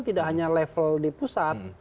tidak hanya level di pusat